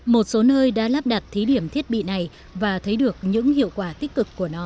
một số nơi đã lắp đặt thí điểm thiết bị này và thấy được những hiệu quả tích cực của nó